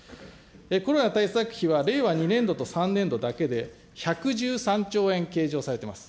コロナ対策費は、令和２年度と３年度だけで１１３兆円計上されています。